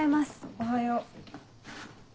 おはよう。